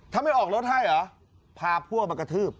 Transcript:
ถ้าไม่ออกรถให้เหรอพาพวกมากระทืบ